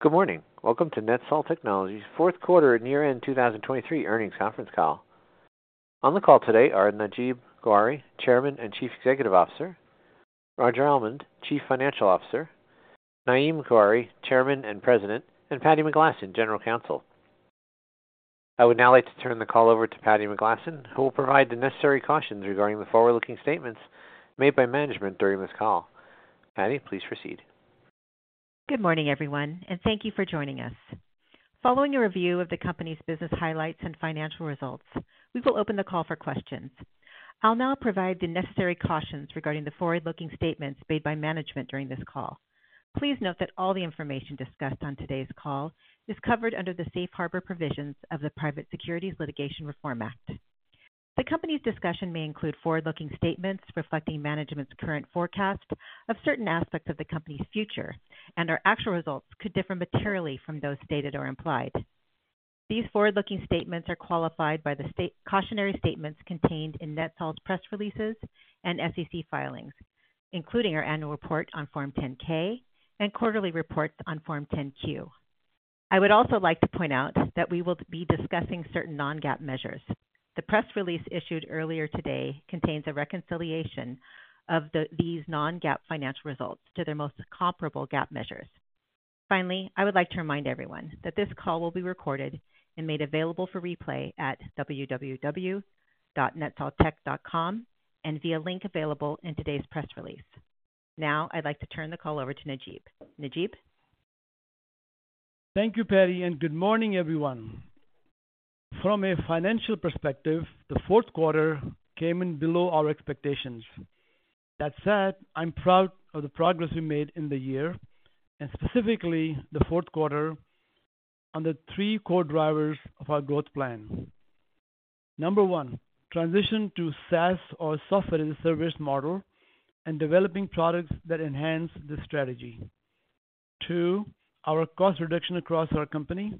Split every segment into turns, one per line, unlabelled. Good morning. Welcome to NETSOL Technologies' Q4 and Year-End 2023 Earnings Conference Call. On the call today are Najeeb Ghauri, Chairman and Chief Executive Officer, Roger Almond, Chief Financial Officer, Naeem Ghauri, Chairman and President, and Patti McGlasson, General Counsel. I would now like to turn the call over to Patti McGlasson, who will provide the necessary cautions regarding the forward-looking statements made by management during this call. Patti, please proceed.
Good morning, everyone, and thank you for joining us. Following a review of the company's business highlights and financial results, we will open the call for questions. I'll now provide the necessary cautions regarding the forward-looking statements made by management during this call. Please note that all the information discussed on today's call is covered under the Safe Harbor provisions of the Private Securities Litigation Reform Act. The company's discussion may include forward-looking statements reflecting management's current forecast of certain aspects of the company's future, and our actual results could differ materially from those stated or implied. These forward-looking statements are qualified by the cautionary statements contained in NETSOL's press releases and SEC filings, including our annual report on Form 10-K and quarterly reports on Form 10-Q. I would also like to point out that we will be discussing certain non-GAAP measures. The press release issued earlier today contains a reconciliation of these non-GAAP financial results to their most comparable GAAP measures. Finally, I would like to remind everyone that this call will be recorded and made available for replay at www.netsoltech.com and via link available in today's press release. Now, I'd like to turn the call over to Najeeb. Najeeb?
Thank you, Patti, and good morning, everyone. From a financial perspective, the Q4 came in below our expectations. That said, I'm proud of the progress we made in the year and specifically the Q4 on the three core drivers of our growth plan. Number one, transition to SaaS or Software as a Service model and developing products that enhance this strategy. Two, our cost reduction across our company,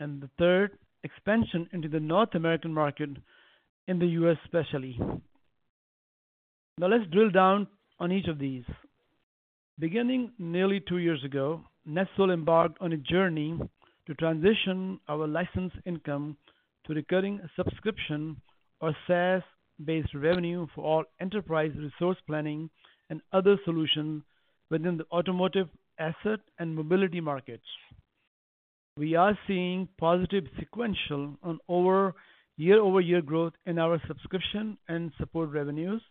and the third, expansion into the North American market, in the U.S. especially. Now, let's drill down on each of these. Beginning nearly two years ago, NETSOL embarked on a journey to transition our license income to recurring subscription or SaaS-based revenue for all enterprise resource planning and other solutions within the automotive, asset, and mobility markets. We are seeing positive sequential year-over-year growth in our subscription and support revenues.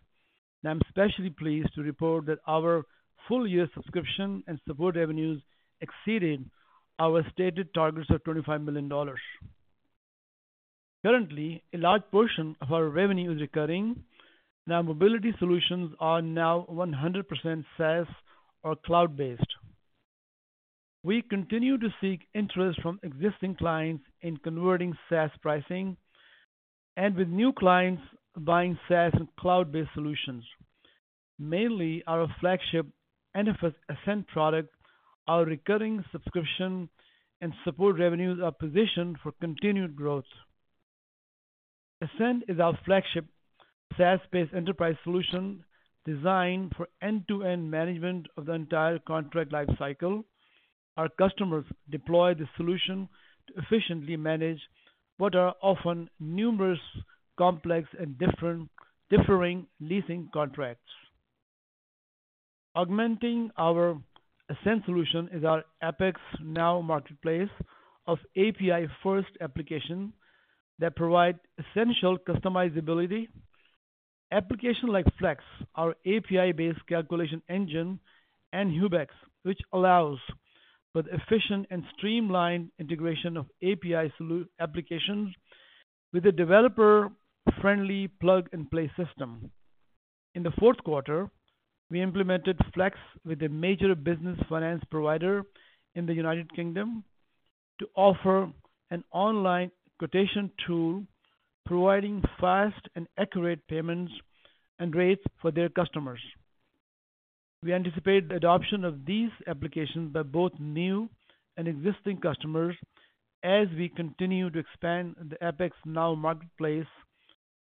I'm especially pleased to report that our full-year subscription and support revenues exceeded our stated targets of $25 million. Currently, a large portion of our revenue is recurring. Now, mobility solutions are now 100% SaaS or cloud-based. We continue to seek interest from existing clients in converting SaaS pricing and with new clients buying SaaS and cloud-based solutions. Mainly, our flagship NFS Ascent product, our recurring subscription and support revenues are positioned for continued growth. Ascent is our flagship SaaS-based enterprise solution designed for end-to-end management of the entire contract lifecycle. Our customers deploy the solution to efficiently manage what are often numerous, complex, and differing leasing contracts. Augmenting our Ascent solution is our Appex Now Marketplace of API-first applications that provide essential customizability. Applications like Flex, our API-based calculation engine, and Hubex, which allows for the efficient and streamlined integration of API applications with a developer-friendly plug-and-play system. In the Q4, we implemented Flex with a major business finance provider in the United Kingdom to offer an online quotation tool, providing fast and accurate payments and rates for their customers. We anticipate the adoption of these applications by both new and existing customers as we continue to expand the Appex Now Marketplace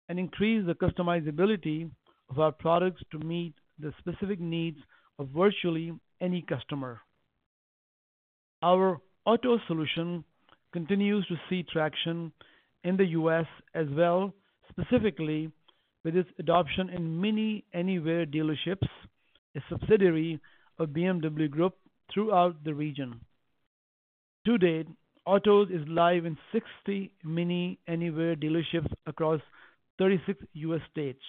and increase the customizability of our products to meet the specific needs of virtually any customer. Our Otoz solution continues to see traction in the United States as well, specifically with its adoption in MINI Anywhere dealerships, a subsidiary of BMW Group, throughout the region. To date, Otoz is live in 60 MINI Anywhere dealerships across 36 U.S. states.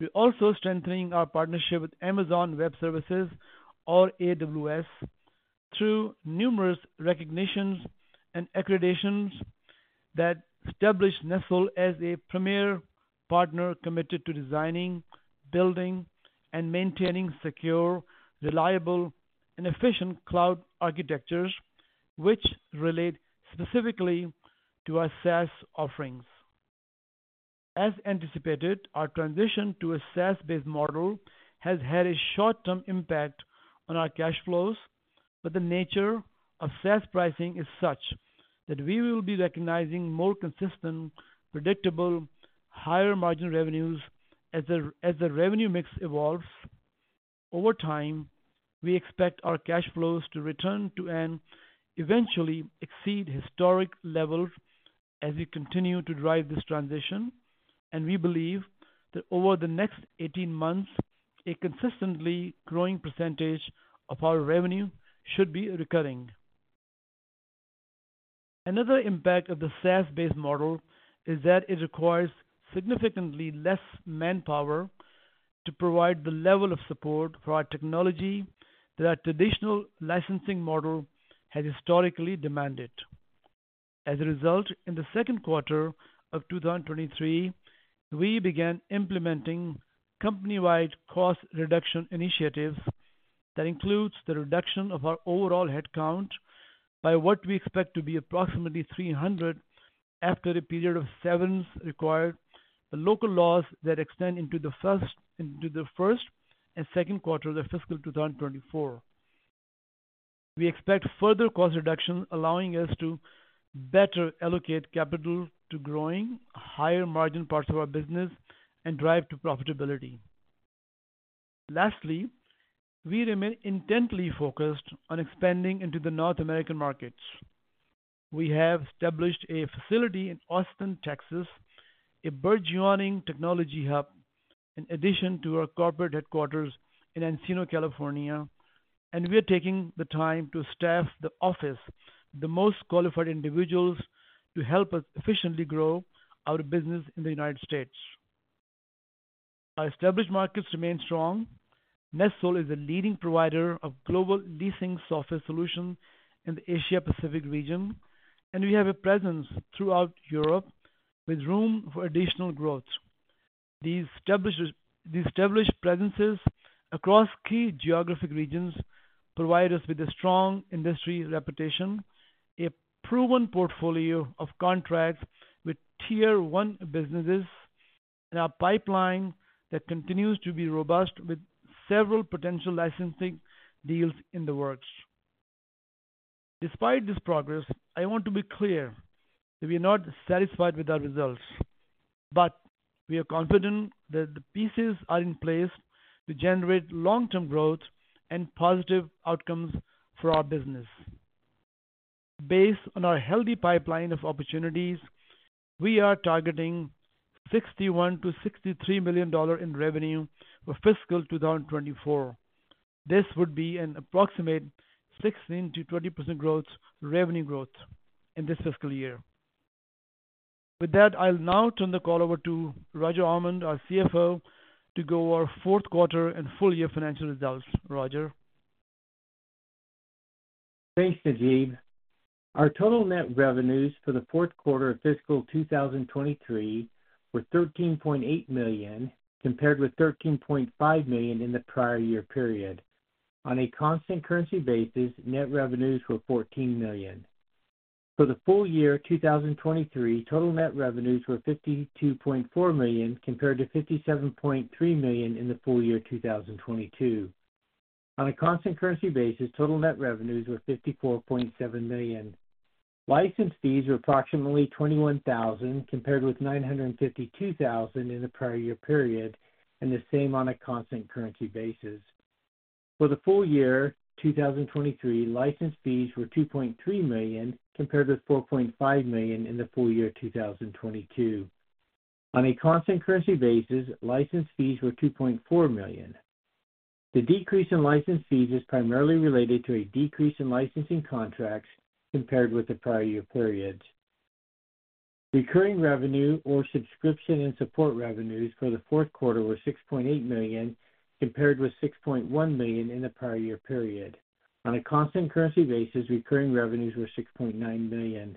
We're also strengthening our partnership with Amazon Web Services or AWS, through numerous recognitions and accreditations that establish NETSOL as a premier partner committed to designing, building, and maintaining secure, reliable, and efficient cloud architectures which relate specifically to our SaaS offerings. As anticipated, our transition to a SaaS-based model has had a short-term impact on our cash flows, but the nature of SaaS pricing is such that we will be recognizing more consistent, predictable, higher-margin revenues as the revenue mix evolves over time, we expect our cash flows to return to and eventually exceed historic levels as we continue to drive this transition. And we believe that over the next 18 months, a consistently growing percentage of our revenue should be recurring. Another impact of the SaaS-based model is that it requires significantly less manpower to provide the level of support for our technology that a traditional licensing model has historically demanded. As a result, in the Q2 of 2023, we began implementing company-wide cost reduction initiatives that includes the reduction of our overall headcount by what we expect to be approximately 300 after a period of severance required by local laws that extend into the first and Q2 of fiscal 2024. We expect further cost reductions, allowing us to better allocate capital to growing higher-margin parts of our business and drive to profitability. Lastly, we remain intently focused on expanding into the North American markets. We have established a facility in Austin, Texas, a burgeoning technology hub, in addition to our corporate headquarters in Encino, California, and we are taking the time to staff the office with the most qualified individuals to help us efficiently grow our business in the United States. Our established markets remain strong. NETSOL is a leading provider of global leasing software solutions in the Asia-Pacific region, and we have a presence throughout Europe, with room for additional growth. These established presences across key geographic regions provide us with a strong industry reputation, a proven portfolio of contracts with tier-one businesses, and a pipeline that continues to be robust, with several potential licensing deals in the works. Despite this progress, I want to be clear that we are not satisfied with our results, but we are confident that the pieces are in place to generate long-term growth and positive outcomes for our business. Based on our healthy pipeline of opportunities, we are targeting $61 million-$63 million in revenue for fiscal 2024. This would be an approximate 16%-20% growth-- revenue growth in this fiscal year. With that, I'll now turn the call over to Roger Almond, our CFO, to go over our Q4 and full-year financial results. Roger?
Thanks, Najeeb. Our total net revenues for the Q4 of fiscal 2023 were $13.8 million, compared with $13.5 million in the prior year period. On a constant currency basis, net revenues were $14 million. For the full year 2023, total net revenues were $52.4 million, compared to $57.3 million in the full year 2022. On a constant currency basis, total net revenues were $54.7 million. License fees were approximately $21,000, compared with $952,000 in the prior year period, and the same on a constant currency basis. For the full year 2023, license fees were $2.3 million, compared with $4.5 million in the full year 2022. On a constant currency basis, license fees were $2.4 million. The decrease in license fees is primarily related to a decrease in licensing contracts compared with the prior year periods. Recurring revenue or subscription and support revenues for the Q4 were $6.8 million, compared with $6.1 million in the prior year period. On a constant currency basis, recurring revenues were $6.9 million.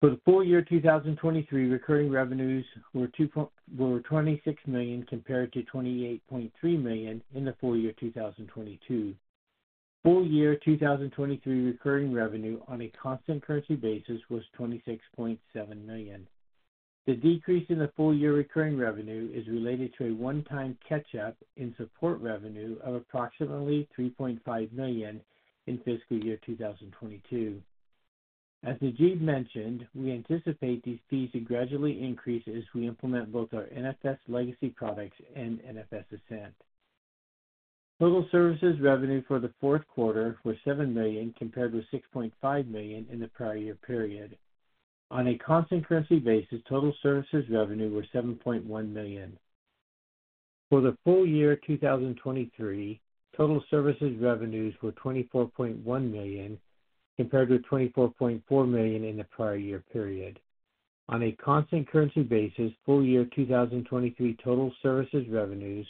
For the full year 2023, recurring revenues were $26 million, compared to $28.3 million in the full year 2022. Full year 2023 recurring revenue on a constant currency basis was $26.7 million. The decrease in the full-year recurring revenue is related to a one-time catch-up in support revenue of approximately $3.5 million in fiscal year 2022. As Najeeb mentioned, we anticipate these fees to gradually increase as we implement both our NFS legacy products and NFS Ascent. Total services revenue for the Q4 was $7 million, compared with $6.5 million in the prior year period. On a constant currency basis, total services revenue was $7.1 million. For the full year 2023, total services revenues were $24.1 million, compared to $24.4 million in the prior year period. On a constant currency basis, full year 2023 total services revenues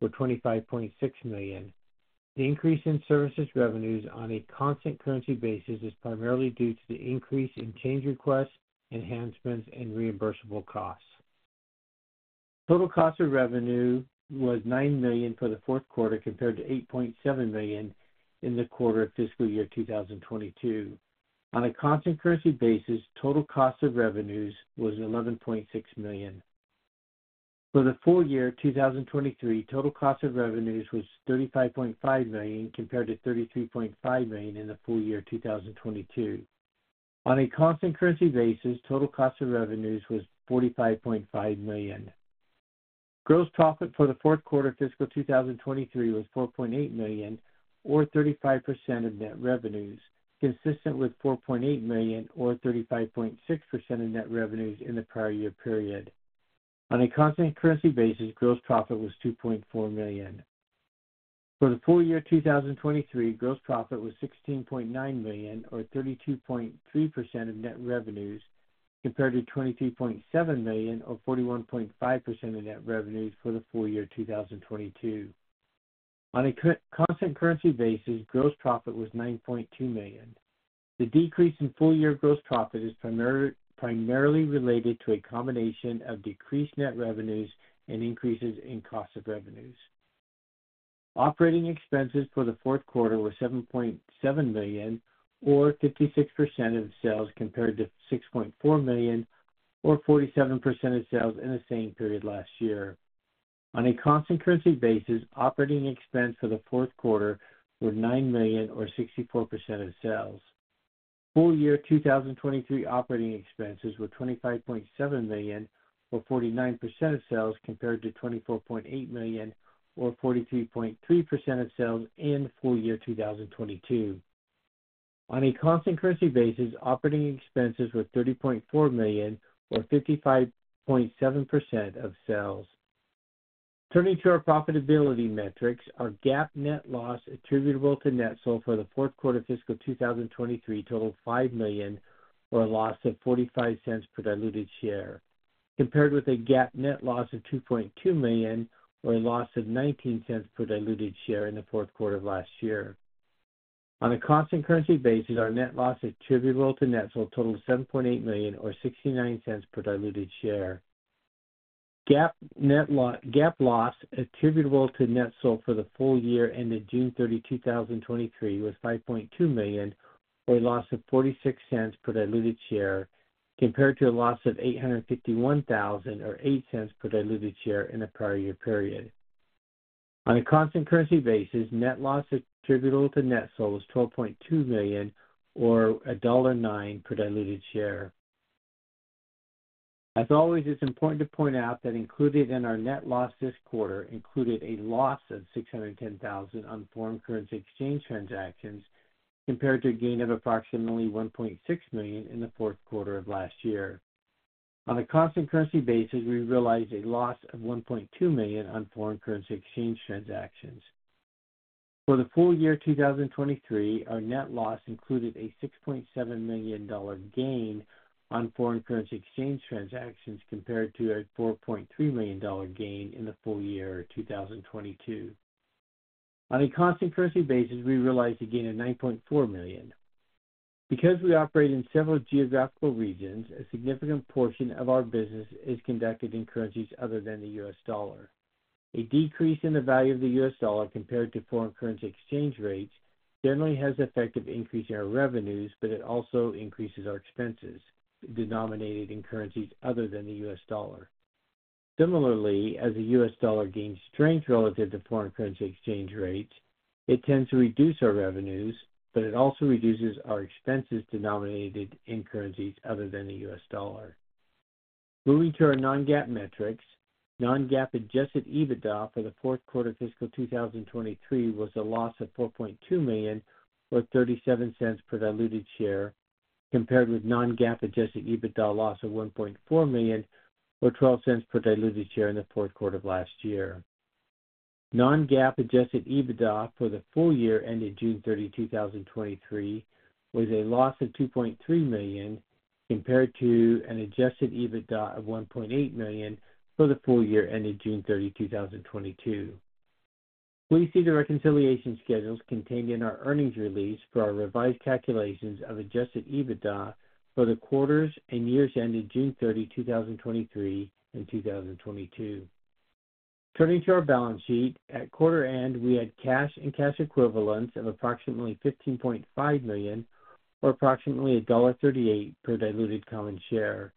were $25.6 million. The increase in services revenues on a constant currency basis is primarily due to the increase in change requests, enhancements, and reimbursable costs. Total cost of revenue was $9 million for the Q4, compared to $8.7 million in the quarter of fiscal year 2022. On a constant currency basis, total cost of revenues was $11.6 million. For the full year 2023, total cost of revenues was $35.5 million, compared to $33.5 million in the full year 2022. On a constant currency basis, total cost of revenues was $45.5 million. Gross profit for the Q4 of fiscal 2023 was $4.8 million, or 35% of net revenues, consistent with $4.8 million or 35.6% of net revenues in the prior year period. On a constant currency basis, gross profit was $2.4 million. For the full year 2023, gross profit was $16.9 million, or 32.3% of net revenues, compared to $23.7 million or 41.5% of net revenues for the full year 2022. On a constant currency basis, gross profit was $9.2 million. The decrease in full year gross profit is primarily related to a combination of decreased net revenues and increases in cost of revenues. Operating expenses for the Q4 were $7.7 million, or 56% of sales, compared to $6.4 million, or 47% of sales in the same period last year. On a constant currency basis, operating expense for the Q4 were $9 million, or 64% of sales. Full year 2023 operating expenses were $25.7 million, or 49% of sales, compared to $24.8 million or 43.3% of sales in full year 2022. On a constant currency basis, operating expenses were $30.4 million, or 55.7% of sales. Turning to our profitability metrics, our GAAP net loss attributable to NETSOL for the Q4 of fiscal 2023 totaled $5 million, or a loss of $0.45 per diluted share, compared with a GAAP net loss of $2.2 million, or a loss of $0.19 per diluted share in the Q4 of last year. On a constant currency basis, our net loss attributable to NETSOL totaled $7.8 million, or $0.69 per diluted share. GAAP net loss attributable to NETSOL for the full year ended June 30, 2023, was $5.2 million, or a loss of $0.46 per diluted share, compared to a loss of $851,000 or $0.08 per diluted share in the prior year period. On a constant currency basis, net loss attributable to NETSOL was $12.2 million or $1.09 per diluted share. As always, it's important to point out that included in our net loss this quarter included a loss of $610,000 on foreign currency exchange transactions, compared to a gain of approximately $1.6 million in the Q4 of last year. On a constant currency basis, we realized a loss of $1.2 million on foreign currency exchange transactions. For the full year 2023, our net loss included a $6.7 million gain on foreign currency exchange transactions, compared to a $4.3 million gain in the full year 2022. On a constant currency basis, we realized a gain of $9.4 million. Because we operate in several geographical regions, a significant portion of our business is conducted in currencies other than the U.S. dollar. A decrease in the value of the U.S. dollar compared to foreign currency exchange rates generally has the effect of increasing our revenues, but it also increases our expenses denominated in currencies other than the U.S. dollar. Similarly, as the U.S. dollar gains strength relative to foreign currency exchange rates, it tends to reduce our revenues, but it also reduces our expenses denominated in currencies other than the U.S. dollar. Moving to our non-GAAP metrics. Non-GAAP adjusted EBITDA for the Q4 of fiscal 2023 was a loss of $4.2 million, or $0.37 per diluted share, compared with non-GAAP adjusted EBITDA loss of $1.4 million or $0.12 per diluted share in the Q4 of last year. Non-GAAP adjusted EBITDA for the full year ended June 30, 2023, was a loss of $2.3 million, compared to an adjusted EBITDA of $1.8 million for the full year ended June 30, 2022. Please see the reconciliation schedules contained in our earnings release for our revised calculations of adjusted EBITDA for the quarters and years ended June 30, 2023 and 2022. Turning to our balance sheet. At quarter end, we had cash and cash equivalents of approximately $15.5 million, or approximately $1.38 per diluted common share.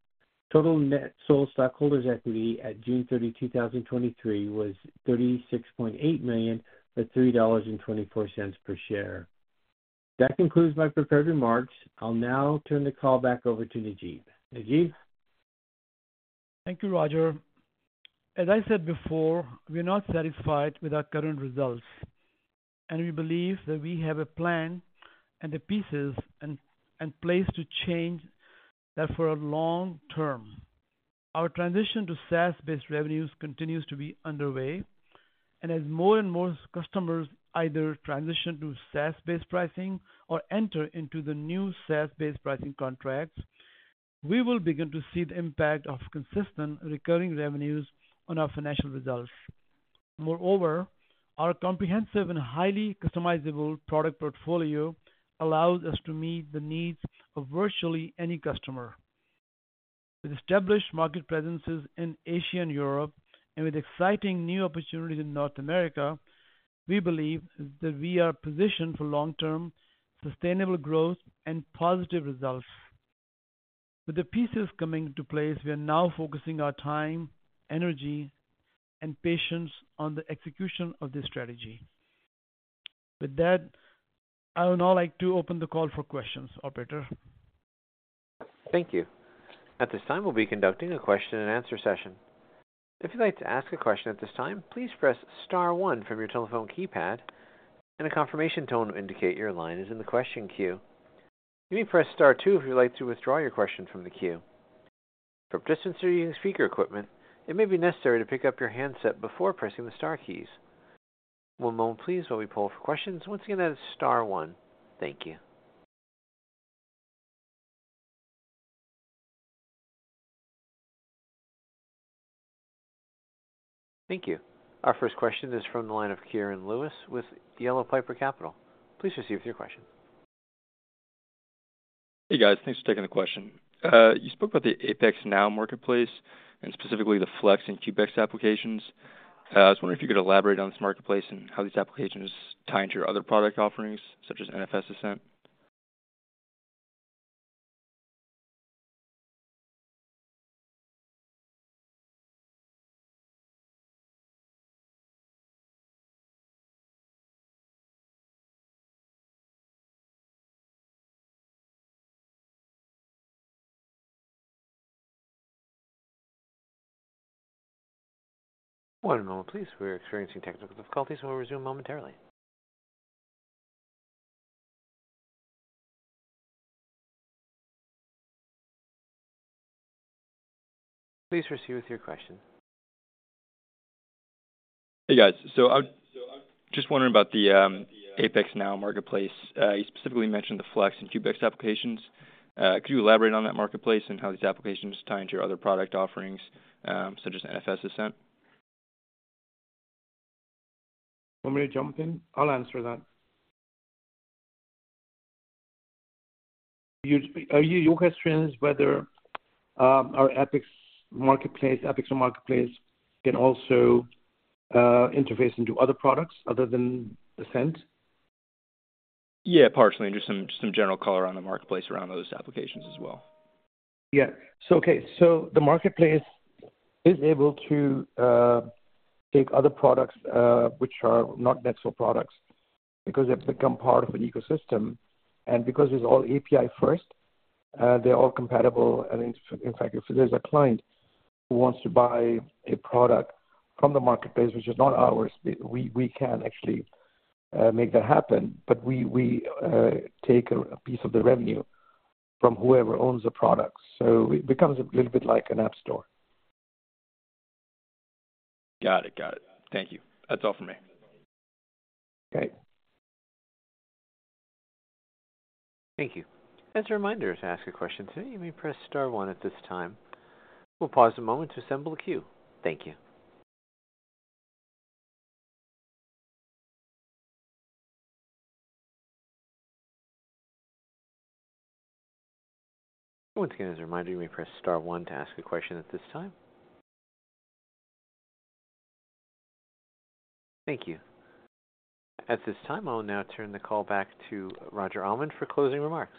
Total NETSOL stockholders' equity at June 30, 2023, was $36.8 million, at $3.24 per share. That concludes my prepared remarks. I'll now turn the call back over to Najeeb. Najeeb?
Thank you, Roger. As I said before, we are not satisfied with our current results, and we believe that we have a plan and the pieces in place to change that for a long term. Our transition to SaaS-based revenues continues to be underway, and as more and more customers either transition to SaaS-based pricing or enter into the new SaaS-based pricing contracts, we will begin to see the impact of consistent recurring revenues on our financial results. Moreover, our comprehensive and highly customizable product portfolio allows us to meet the needs of virtually any customer. With established market presences in Asia and Europe, and with exciting new opportunities in North America, we believe that we are positioned for long-term, sustainable growth and positive results. With the pieces coming into place, we are now focusing our time, energy, and patience on the execution of this strategy. With that, I would now like to open the call for questions. Operator?
Thank you. At this time, we'll be conducting a question and answer session. If you'd like to ask a question at this time, please press star one from your telephone keypad, and a confirmation tone will indicate your line is in the question queue. You may press star two if you'd like to withdraw your question from the queue. For participants using speaker equipment, it may be necessary to pick up your handset before pressing the star keys. One moment please, while we pull for questions. Once again, that is star one. Thank you. Thank you. Our first question is from the line of Kieran Lewis with Yellow Piper Capital. Please proceed with your question.
Hey, guys. Thanks for taking the question. You spoke about the Appex Now marketplace and specifically the Flex and Hubex applications. I was wondering if you could elaborate on this marketplace and how these applications tie into your other product offerings, such as NFS Ascent.
One moment, please. We're experiencing technical difficulties, and we'll resume momentarily. Please proceed with your question.
Hey, guys. So I'm just wondering about the Appex Now marketplace. You specifically mentioned the Flex and Hubex applications. Could you elaborate on that marketplace and how these applications tie into your other product offerings, such as NFS Ascent?
You want me to jump in? I'll answer that. You, your question is whether our Appex marketplace, Appex Now marketplace can also interface into other products other than Ascent?
Yeah, partially. Just some general color on the marketplace around those applications as well.
Yeah. Okay. The marketplace is able to take other products, which are not NETSOL products, because they've become part of an ecosystem, and because it's all API first, they're all compatible. In fact, if there's a client who wants to buy a product from the marketplace, which is not ours, we can actually make that happen, but we take a piece of the revenue from whoever owns the products. It becomes a little bit like an app store.
Got it. Got it. Thank you. That's all for me.
Okay.
Thank you. As a reminder, to ask a question today, you may press star one at this time. We'll pause a moment to assemble a queue. Thank you. Once again, as a reminder, you may press star one to ask a question at this time. Thank you. At this time, I'll now turn the call back to Roger Almond for closing remarks.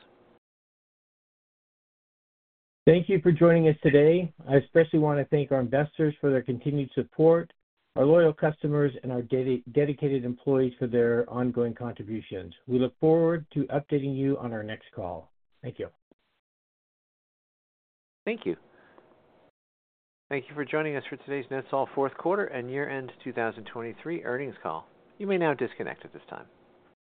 Thank you for joining us today. I especially want to thank our investors for their continued support, our loyal customers, and our dedicated employees for their ongoing contributions. We look forward to updating you on our next call. Thank you.
Thank you. Thank you for joining us for today's NETSOL Q4 and year-end 2023 earnings call. You may now disconnect at this time.